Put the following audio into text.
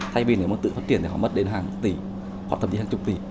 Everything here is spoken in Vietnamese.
thay vì nếu mà tự phát tiền thì họ mất đến hàng tỷ hoặc thậm chí hàng chục tỷ